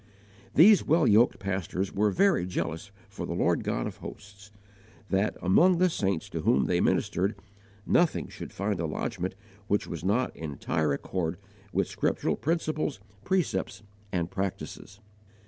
These well yoked pastors were very jealous for the Lord God of hosts, that, among the saints to whom they ministered, nothing should find a lodgment which was not in entire accord with scriptural principles, precepts, and practices.